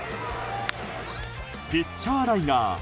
ピッチャーライナー。